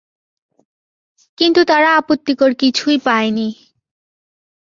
কিন্তু তারা আপত্তিকর কিছুই পায়নি।